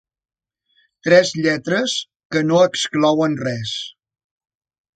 Tres lletres que no exclouen res.